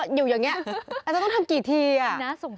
เขียน